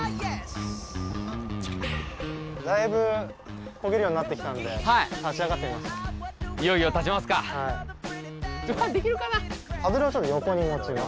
大分漕げるようになってきたので、立ち上がってみましょう。